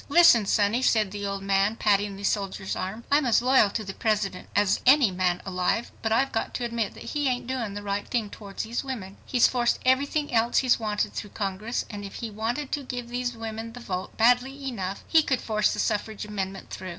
"Listen, sonny," said the old man, patting the soldier's arm, "I'm as loyal to the President as any man alive, but I've got to admit that he ain't doing the right thing towards these women. He's forced everything else he's wanted through Congress, and if he wanted to give these women the vote badly enough he could force the suffrage amendment through.